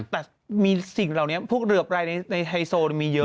แต่มีสิ่งเหล่านี้พวกเหลือบรายในไฮโซมีเยอะ